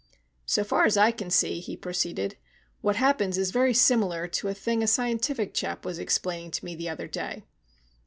"So far as I can see," he proceeded, "what happens is very similar to a thing a scientific chap was explaining to me the other day.